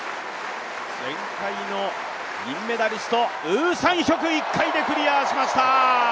前回の銀メダリスト、ウ・サンヒョク、１回でクリアしました！